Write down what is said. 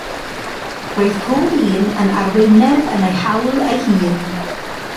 Roedd pob un yn arweinydd yn ei hawl ei hun.